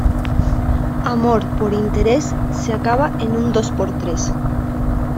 Amor por interés, se acaba en un dos por tres.